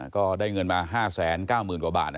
ก็ได้เงินมา๕๙๐๐๐กว่าบาท